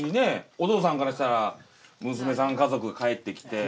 お父さんからしたら娘さん家族が帰ってきて。